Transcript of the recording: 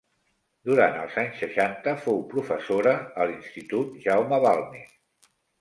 Durant els anys seixanta fou professora a l'Institut Jaume Balmes.